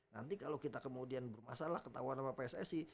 nanti kalau kita kemudian bermasalah ketahuan sama pssi